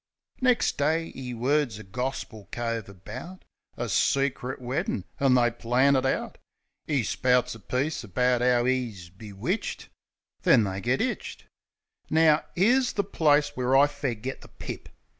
Nex' day 'e words a gorspil cove about A secrit weddin'; an' they plan it out. 'E spouts a piece about 'ow 'e's bewitched: Then they git 'itched ... Now, 'ere's the place where I fair git the pip